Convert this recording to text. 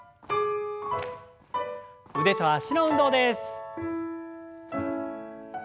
腕と脚の運動です。